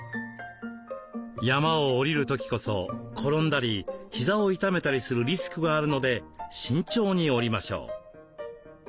山を下りる時こそ転んだりひざを痛めたりするリスクがあるので慎重に下りましょう。